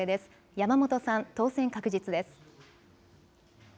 山本さん、当選確実です。